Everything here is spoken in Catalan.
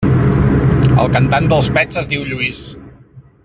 El cantant dels Pets es diu Lluís.